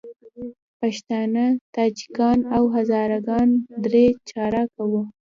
پښتانه، تاجکان او هزاره ګان درې چارکه وو.